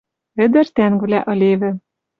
Ӹдӹр тӓнгвлӓ ылевы